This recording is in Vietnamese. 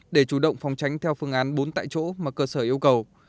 để chủ động phòng tránh theo phương án bốn tại chỗ mà cơ sở yêu cầu